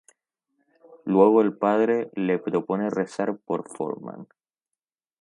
Luego el padre le propone rezar por Foreman.